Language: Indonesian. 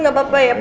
gak apa apa ya pak